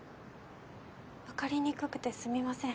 分かりにくくてすみません。